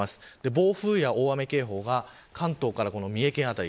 暴風や大雨警報が関東から三重県辺り。